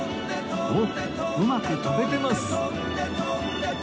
おっうまく飛べてます